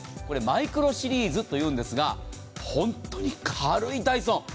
マイクロシリーズというんですが本当に軽いダイソン。